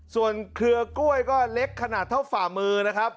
ส่วนเครือกล้วยก็เล็กขนาดเท่าฝ่ามือนะครับ